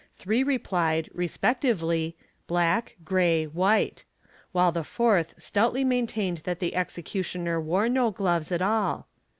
Three replied, respectively, black, gray, white; while the fourth stoutly maintained that the executioner wore no gloves i all.